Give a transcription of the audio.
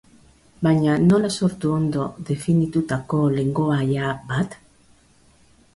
Baina nola sortu ondo definitutako lengoaia bat?